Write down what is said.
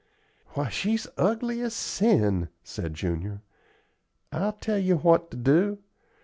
"Why, she's ugly as sin," said Junior. "I'll tell you what to do.